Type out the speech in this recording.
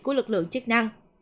của lực lượng chức năng